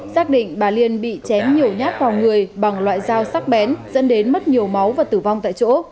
xác định bà liên bị chém nhiều nhát vào người bằng loại dao sắc bén dẫn đến mất nhiều máu và tử vong tại chỗ